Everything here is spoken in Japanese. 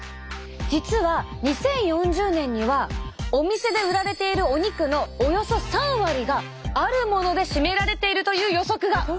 実は２０４０年にはお店で売られているお肉のおよそ３割があるもので占められているという予測が！